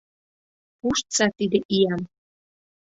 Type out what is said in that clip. — Пуштса тиде иям!..